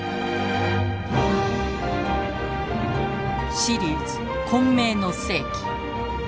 シリーズ「混迷の世紀」。